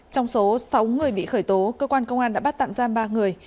trong số sáu người bị khởi tố cơ quan công an đã bắt tạm giam ba người